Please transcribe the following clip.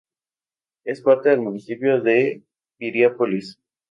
Es parte del Municipio de Piriápolis.